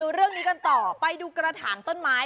เรื่องนี้กันต่อไปดูกระถางต้นไม้